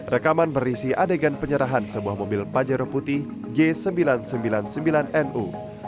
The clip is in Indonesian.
rekaman berisi adegan penyerahan sebuah mobil pajero putih g sembilan ratus sembilan puluh sembilan nu